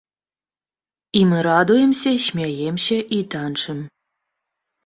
І мы радуемся, смяемся і танчым.